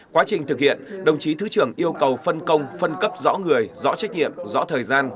quá trình thực hiện đồng chí thứ trưởng yêu cầu phân công phân cấp rõ người rõ trách nhiệm rõ thời gian